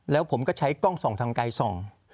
แล้วผมก็ใช้กล้องส่องทางไกลส่อง